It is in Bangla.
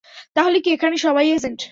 তাহলে কি এখানে সবাই এজেন্ট?